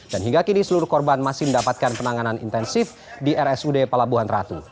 dan hingga kini seluruh korban masih mendapatkan penanganan intensif di rsud pelabuhan ratu